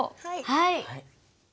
はい。